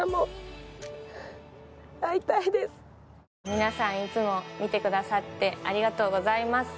皆さん、いつも見てくださってありがとうございます。